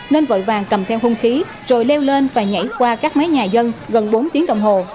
nên vội vàng cầm theo hung khí rồi leo lên và nhảy qua các máy nhà dân gần bốn tiếng đồng hồ